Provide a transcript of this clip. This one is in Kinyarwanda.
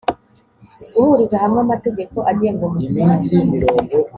guhuriza hamwe amategeko agenga umukino